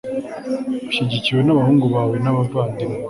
ushyigikiwe n'abahungu bawe n'abavandimwe